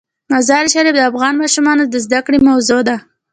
مزارشریف د افغان ماشومانو د زده کړې موضوع ده.